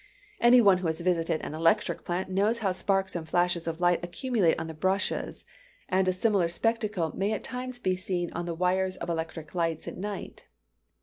Any one who has visited an electric plant knows how sparks and flashes of light accumulate on the brushes; and a similar spectacle may at times be seen on the wires of electric lights at night.